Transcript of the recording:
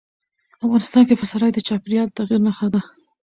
افغانستان کې پسرلی د چاپېریال د تغیر نښه ده.